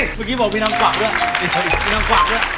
เมื่อกี้บอกว่าพี่ทำกว่ากด้วย